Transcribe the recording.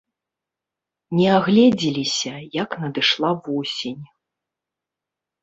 Не агледзеліся, як надышла восень.